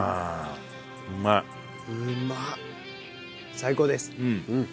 最高です！